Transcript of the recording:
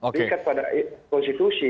terikat pada konstitusi